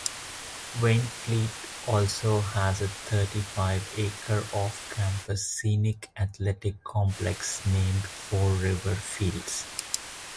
Waynflete also has a thirty-five-acre off-campus scenic athletic complex named Fore River Fields.